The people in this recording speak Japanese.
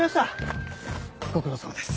ご苦労さまです。